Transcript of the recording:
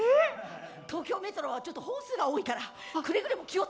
東京メトロはちょっと本数が多いからくれぐれも気を付けて。